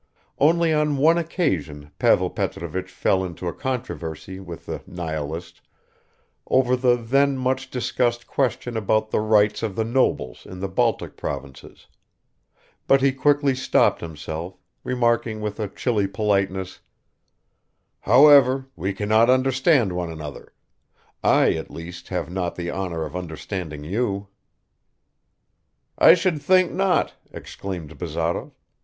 Only on one occasion Pavel Petrovich fell into a controversy with the nihilist over the then much discussed question about the rights of the nobles in the Baltic provinces, but he quickly stopped himself, remarking with a chilly politeness: "However, we cannot understand one another; I, at least, have not the honor of understanding you." "I should think not!" exclaimed Bazarov.